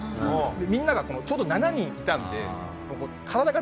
みんながちょうど７人いたんで。